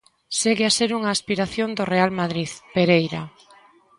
Segue a ser unha aspiración do Real Madrid, Pereira.